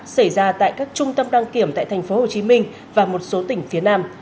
xảy ra tại các trung tâm đăng kiểm tại tp hcm và một số tỉnh phía nam